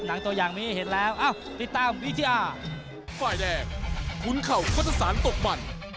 หนังตัวอย่างมีเห็นแล้วเอ้าติดตามวิทยา